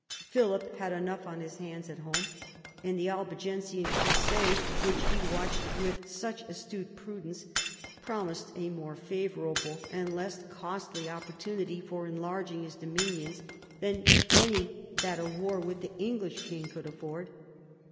Philip had enough on his hands at home, and the Albigensian crusade, which he watched with such astute prudence, promised a more favourable and less costly opportunity for enlarging his dominions than any that a war with the English king could afford.